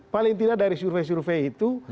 paling tidak dari survei survei itu